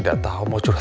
sampai jumpa lagi